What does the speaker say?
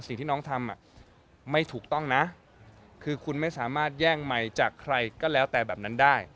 สิ่งที่น้องทำไม่ถูกต้องนะคือคุณไม่สามารถแย่งใหม่จากใครก็แล้วแต่แบบนั้นได้